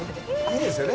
いいですよね。